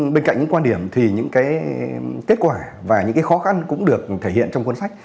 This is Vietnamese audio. bên cạnh những quan điểm thì những kết quả và những khó khăn cũng được thể hiện trong cuốn sách